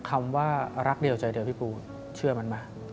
คำว่ารักเดียวใจเดียวพี่ปูเชื่อมันไหม